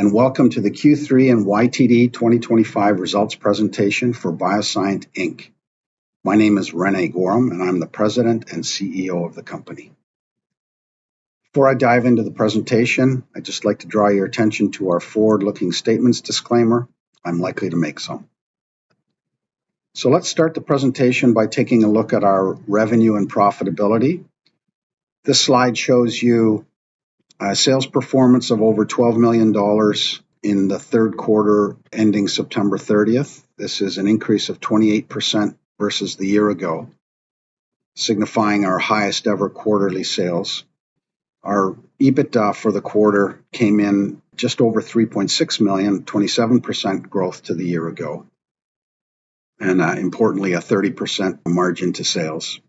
Hello, and welcome to the Q3 and YTD 2025 results presentation for BioSyent. My name is René Goehrum, and I'm the President and CEO of the company. Before I dive into the presentation, I'd just like to draw your attention to our forward-looking statements disclaimer. I'm likely to make some. Let's start the presentation by taking a look at our revenue and profitability. This slide shows you a sales performance of over 12 million dollars in the third quarter ending September 30. This is an increase of 28% versus the year ago, signifying our highest-ever quarterly sales. Our EBITDA for the quarter came in just over 3.6 million, 27% growth to the year ago, and importantly, a 30% margin to sales.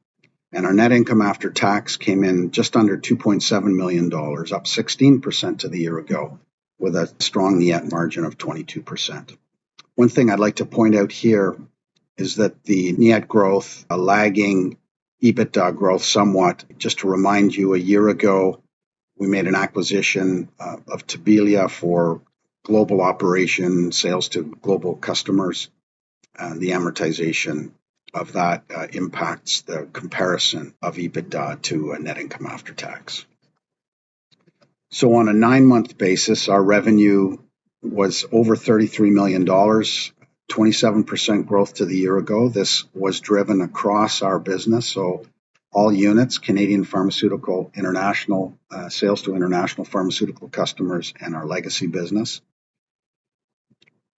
Our net income after tax came in just under 2.7 million dollars, up 16% to the year ago, with a strong net margin of 22%.One thing I'd like to point out here is that the net growth, lagging EBITDA growth somewhat. Just to remind you, a year ago, we made an acquisition of Tabelia for global operation sales to global customers. The amortization of that impacts the comparison of EBITDA to net income after tax. On a nine-month basis, our revenue was over 33 million dollars, 27% growth to the year ago. This was driven across our business, so all units: Canadian pharmaceutical, international sales to international pharmaceutical customers, and our legacy business.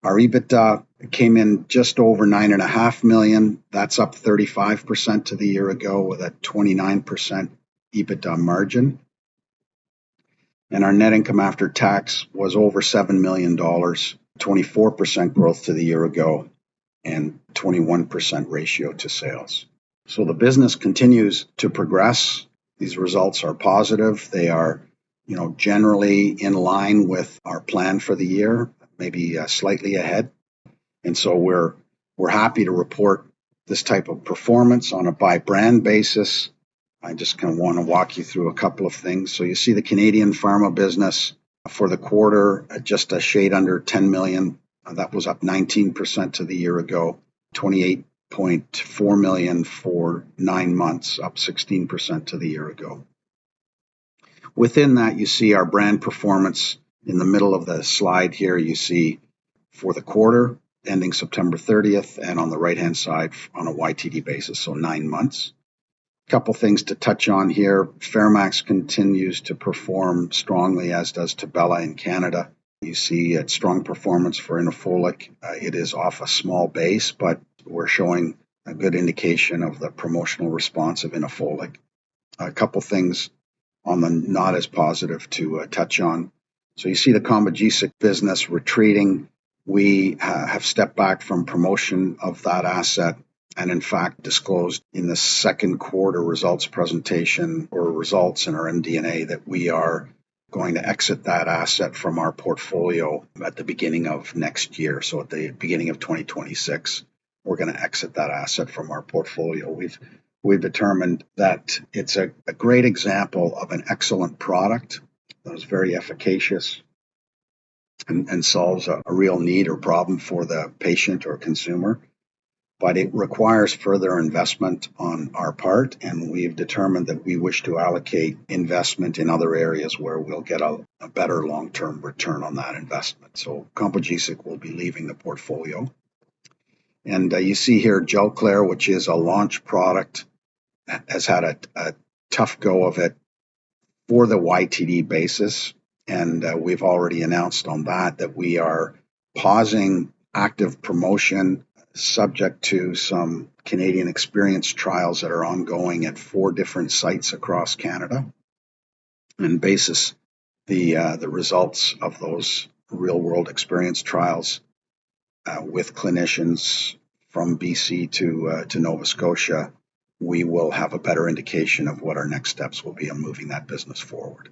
Our EBITDA came in just over 9.5 million. That's up 35% to the year ago, with a 29% EBITDA margin. Our net income after tax was over 7 million dollars, 24% growth to the year ago, and a 21% ratio to sales. The business continues to progress. These results are positive. They are generally in line with our plan for the year, maybe slightly ahead. We are happy to report this type of performance on a by-brand basis. I just kind of want to walk you through a couple of things. You see the Canadian pharma business for the quarter just shade under 10 million. That was up 19% to the year ago, 28.4 million for nine months, up 16% to the year ago. Within that, you see our brand performance. In the middle of the slide here, you see for the quarter ending September 30th and on the right-hand side on a YTD basis, so nine months. A couple of things to touch on here. FeraMAX continues to perform strongly, as does Tabelia in Canada. You see a strong performance for Inofolic.It is off a small base, but we're showing a good indication of the promotional response of Inofolic. A couple of things on the not as positive to touch on. You see the Combogesic business retreating. We have stepped back from promotion of that asset and, in fact, disclosed in the second quarter results presentation or results in our MD&A that we are going to exit that asset from our portfolio at the beginning of next year. At the beginning of 2026, we're going to exit that asset from our portfolio. We've determined that it's a great example of an excellent product that is very efficacious and solves a real need or problem for the patient or consumer, but it requires further investment on our part. We have determined that we wish to allocate investment in other areas where we will get a better long-term return on that investment. Combogesic will be leaving the portfolio. You see here GELCLAIR, which is a launch product, has had a tough go of it for the YTD basis. We have already announced on that that we are pausing active promotion subject to some Canadian experience trials that are ongoing at four different sites across Canada. Based on the results of those real-world experience trials with clinicians from British Columbia to Nova Scotia, we will have a better indication of what our next steps will be on moving that business forward.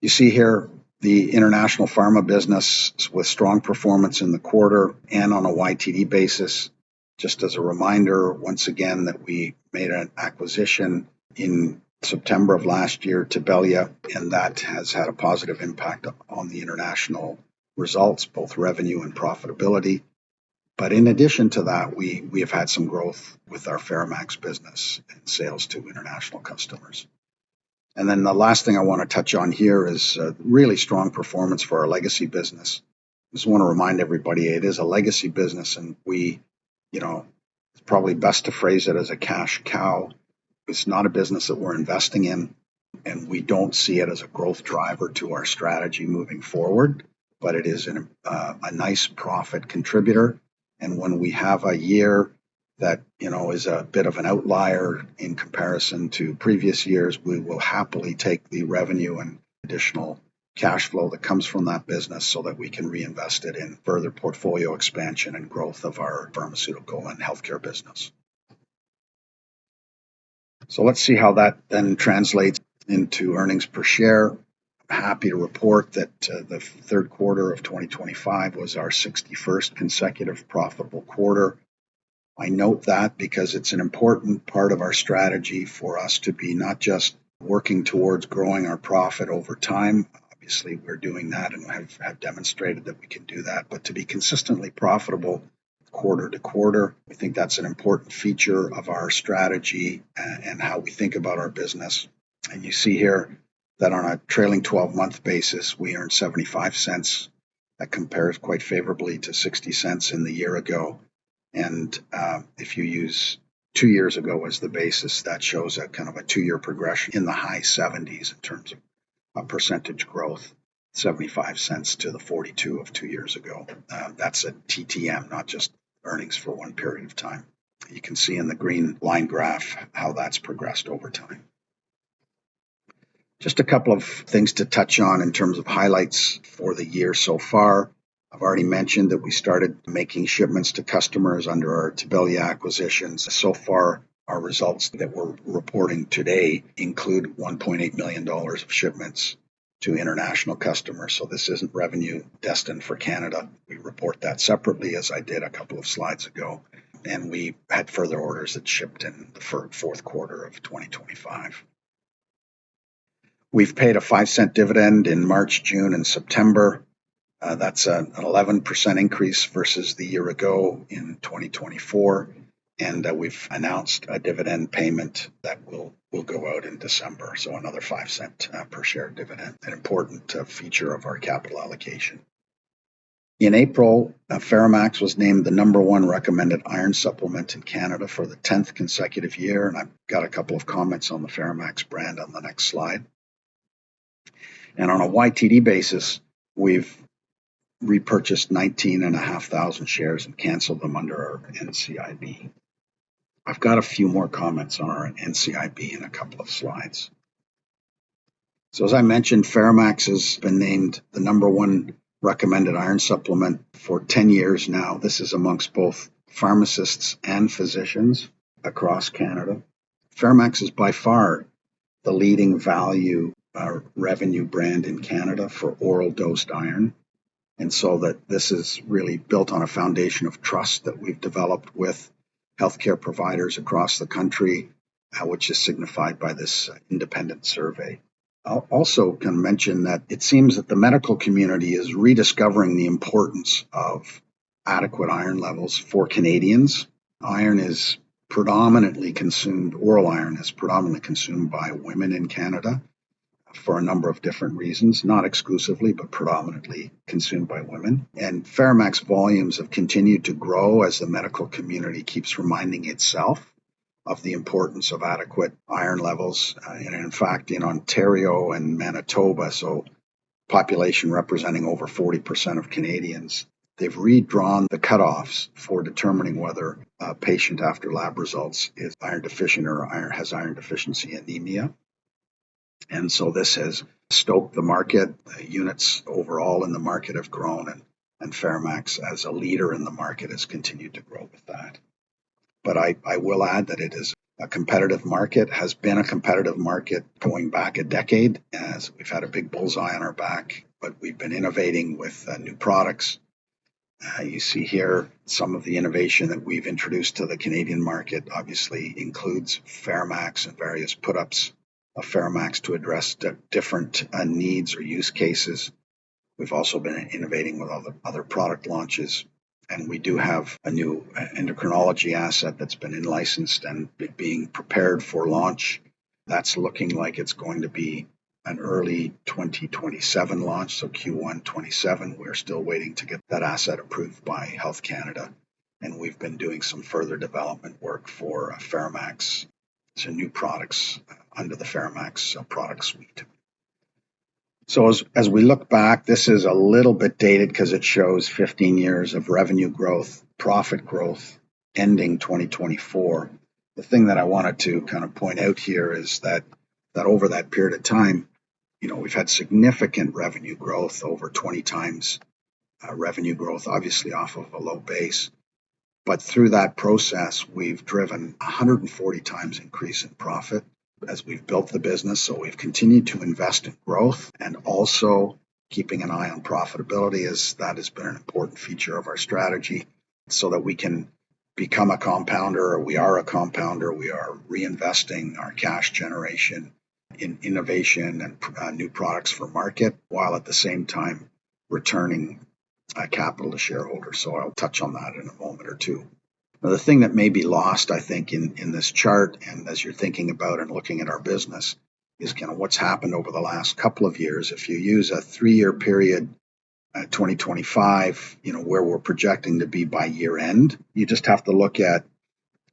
You see here the international pharma business with strong performance in the quarter and on a YTD basis. Just as a reminder, once again, that we made an acquisition in September of last year, Tabelia, and that has had a positive impact on the international results, both revenue and profitability. In addition to that, we have had some growth with our FeraMAX business and sales to international customers. The last thing I want to touch on here is really strong performance for our legacy business. I just want to remind everybody it is a legacy business, and it's probably best to phrase it as a cash cow. It's not a business that we're investing in, and we don't see it as a growth driver to our strategy moving forward, but it is a nice profit contributor. When we have a year that is a bit of an outlier in comparison to previous years, we will happily take the revenue and additional cash flow that comes from that business so that we can reinvest it in further portfolio expansion and growth of our pharmaceutical and healthcare business. Let's see how that then translates into earnings per share. I'm happy to report that the third quarter of 2025 was our 61st consecutive profitable quarter. I note that because it's an important part of our strategy for us to be not just working towards growing our profit over time. Obviously, we're doing that, and we have demonstrated that we can do that. To be consistently profitable quarter to quarter, I think that's an important feature of our strategy and how we think about our business. You see here that on a trailing 12-month basis, we earned 0.75. That compares quite favorably to 0.60 in the year ago. If you use two years ago as the basis, that shows a kind of a two-year progression in the high 70s in terms of percentage growth, 0.75 to the 0.42 of two years ago. That's a TTM, not just earnings for one period of time. You can see in the green line graph how that's progressed over time. Just a couple of things to touch on in terms of highlights for the year so far. I've already mentioned that we started making shipments to customers under our Tabelia acquisitions. So far, our results that we're reporting today include 1.8 million dollars of shipments to international customers. This isn't revenue destined for Canada. We report that separately, as I did a couple of slides ago. We had further orders that shipped in the fourth quarter of 2025. We have paid a 0.05 dividend in March, June, and September. That is an 11% increase versus the year ago in 2024. We have announced a dividend payment that will go out in December, so another 0.05 per share dividend, an important feature of our capital allocation. In April, FeraMAX was named the number one recommended iron supplement in Canada for the 10th consecutive year. I have a couple of comments on the FeraMAX brand on the next slide. On a YTD basis, we have repurchased 19,500 shares and canceled them under our NCIB. I have a few more comments on our NCIB in a couple of slides. As I mentioned, FeraMAX has been named the number one recommended iron supplement for 10 years now. This is amongst both pharmacists and physicians across Canada. FeraMAX is by far the leading value revenue brand in Canada for oral dosed iron. This is really built on a foundation of trust that we've developed with healthcare providers across the country, which is signified by this independent survey. I also can mention that it seems that the medical community is rediscovering the importance of adequate iron levels for Canadians. Iron is predominantly consumed; oral iron is predominantly consumed by women in Canada for a number of different reasons, not exclusively, but predominantly consumed by women. FeraMAX volumes have continued to grow as the medical community keeps reminding itself of the importance of adequate iron levels. In fact, in Ontario and Manitoba, a population representing over 40% of Canadians, they've redrawn the cutoffs for determining whether a patient after lab results is iron deficient or has iron deficiency anemia. This has stoked the market. Units overall in the market have grown, and FeraMAX as a leader in the market has continued to grow with that. I will add that it is a competitive market, has been a competitive market going back a decade, as we've had a big bull's eye on our back, but we've been innovating with new products. You see here some of the innovation that we've introduced to the Canadian market obviously includes FeraMAX and various put-ups of FeraMAX to address different needs or use cases. We've also been innovating with other product launches, and we do have a new endocrinology asset that's been licensed and being prepared for launch. That's looking like it's going to be an early 2027 launch, so Q1 2027.We're still waiting to get that asset approved by Health Canada, and we've been doing some further development work for FeraMAX. It's new products under the FeraMAX product suite. As we look back, this is a little bit dated because it shows 15 years of revenue growth, profit growth ending 2024. The thing that I wanted to kind of point out here is that over that period of time, we've had significant revenue growth, over 20 times revenue growth, obviously off of a low base. Through that process, we've driven a 140 times increase in profit as we've built the business. We've continued to invest in growth and also keeping an eye on profitability, as that has been an important feature of our strategy so that we can become a compounder. We are a compounder. We are reinvesting our cash generation in innovation and new products for market while at the same time returning capital to shareholders. I'll touch on that in a moment or two. The thing that may be lost, I think, in this chart, and as you're thinking about and looking at our business, is kind of what's happened over the last couple of years. If you use a three-year period, 2025, where we're projecting to be by year-end, you just have to look at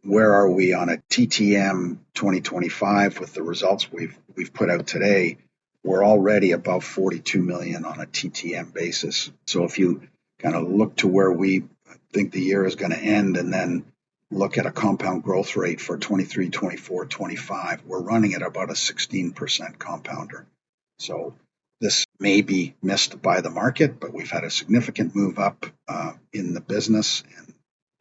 where are we on a TTM 2025. With the results we've put out today, we're already above 42 million on a TTM basis. If you kind of look to where we think the year is going to end and then look at a compound growth rate for 2023, 2024, 2025, we're running at about a 16% compounder. This may be missed by the market, but we've had a significant move up in the business, and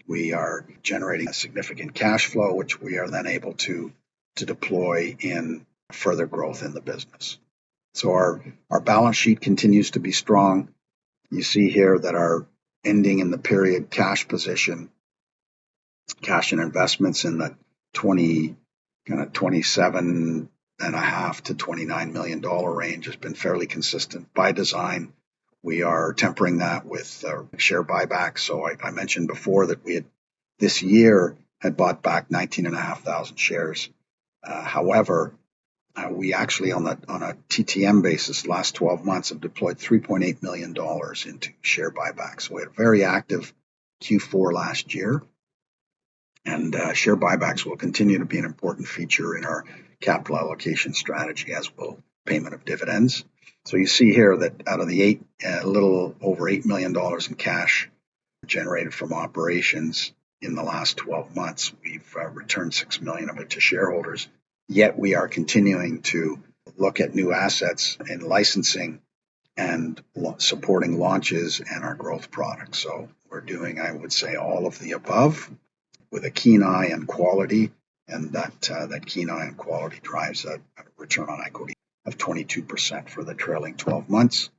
we are generating significant cash flow, which we are then able to deploy in further growth in the business. Our balance sheet continues to be strong. You see here that our ending in the period cash position, cash and investments in the kind of 27.5 million-29 million dollar range, has been fairly consistent. By design, we are tempering that with share buybacks. I mentioned before that we had this year bought back 19,500 shares. However, actually, on a TTM basis, the last 12 months have deployed 3.8 million dollars into share buybacks. We had a very active Q4 last year, and share buybacks will continue to be an important feature in our capital allocation strategy as well as payment of dividends. You see here that out of the little over 8 million dollars in cash generated from operations in the last 12 months, we've returned 6 million of it to shareholders. Yet we are continuing to look at new assets and licensing and supporting launches and our growth products. I would say, all of the above with a keen eye on quality, and that keen eye on quality drives a return on equity of 22% for the trailing 12 months,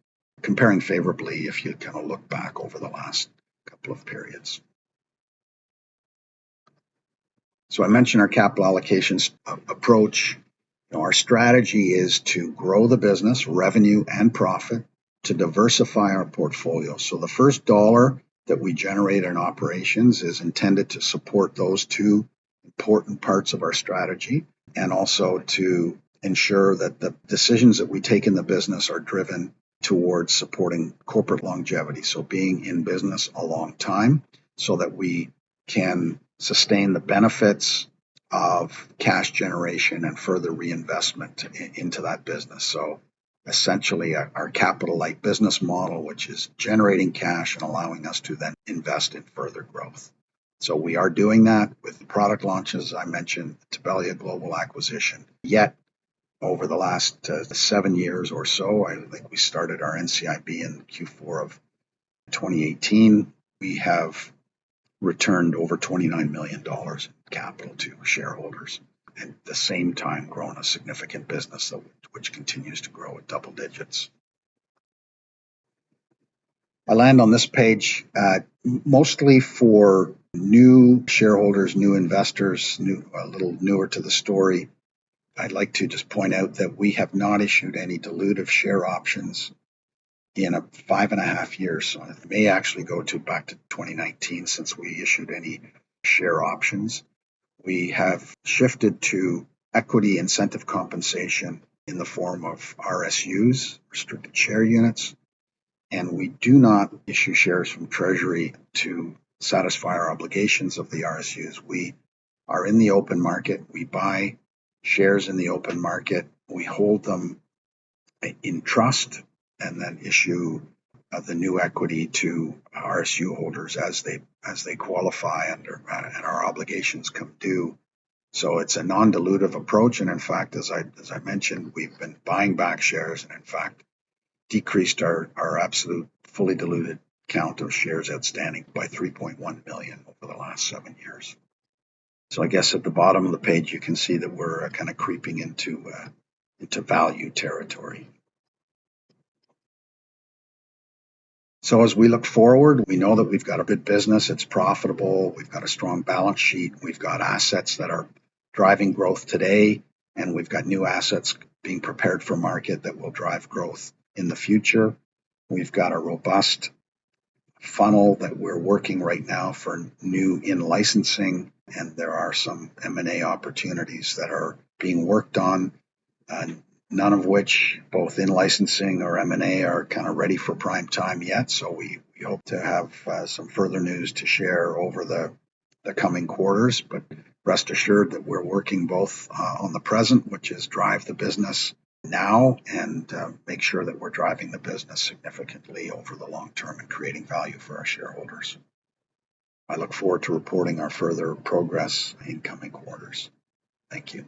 comparing favorably if you kind of look back over the last couple of periods. I mentioned our capital allocation approach. Our strategy is to grow the business, revenue and profit, to diversify our portfolio. The first dollar that we generate in operations is intended to support those two important parts of our strategy and also to ensure that the decisions that we take in the business are driven towards supporting corporate longevity, being in business a long time so that we can sustain the benefits of cash generation and further reinvestment into that business. Essentially, our capital-light business model is generating cash and allowing us to then invest in further growth. We are doing that with product launches, as I mentioned, Tabelia Global Acquisition. Yet over the last seven years or so, I think we started our NCIB in Q4 of 2018, we have returned over 29 million dollars in capital to shareholders and at the same time grown a significant business, which continues to grow at double digits. I'll end on this page mostly for new shareholders, new investors, a little newer to the story. I'd like to just point out that we have not issued any dilutive share options in five and a half years. It may actually go back to 2019 since we issued any share options. We have shifted to equity incentive compensation in the form of RSUs, restricted share units. We do not issue shares from Treasury to satisfy our obligations of the RSUs. We are in the open market. We buy shares in the open market. We hold them in trust and then issue the new equity to RSU holders as they qualify and our obligations come due. It is a non-dilutive approach.In fact, as I mentioned, we've been buying back shares and in fact decreased our absolute fully diluted count of shares outstanding by 3.1 million over the last seven years. I guess at the bottom of the page, you can see that we're kind of creeping into value territory. As we look forward, we know that we've got a good business. It's profitable. We've got a strong balance sheet. We've got assets that are driving growth today, and we've got new assets being prepared for market that will drive growth in the future. We've got a robust funnel that we're working right now for new in-licensing, and there are some M&A opportunities that are being worked on, none of which, both in-licensing or M&A, are kind of ready for prime time yet. We hope to have some further news to share over the coming quarters. Rest assured that we're working both on the present, which is drive the business now, and make sure that we're driving the business significantly over the long term and creating value for our shareholders. I look forward to reporting our further progress in coming quarters. Thank you.